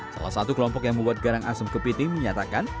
salah satu kelompok yang membuat garang asem kepiting menyatakan